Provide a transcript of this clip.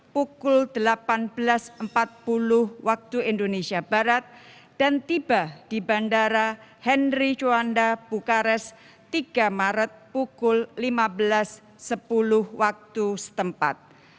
pukul delapan belas empat puluh waktu indonesia barat dan tiba di bandara henry juanda bukares tiga maret pukul lima belas sepuluh waktu setempat